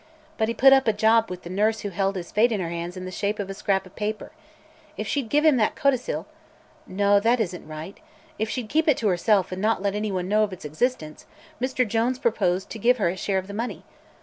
But he put up a job with the nurse who held his fate in her hands in the shape of scrap of paper. If she'd give him that codicil no! that isn't right if she'd keep it to herself and not let anyone know of its existence, Mr. Jones proposed to give her a share of the money.